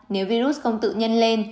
nếu virus không tự nhân lên